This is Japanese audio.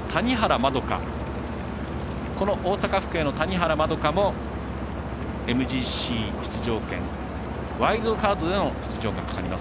大阪府警の谷原先嘉も、ＭＧＣ出場権ワイルドカードでの出場がかかります。